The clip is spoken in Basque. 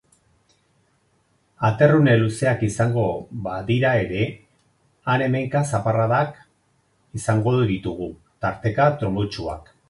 Aterrune luzeak izango badira ere, han-hemenka zaparradak izango ditugu, tarteka trumoitsuak.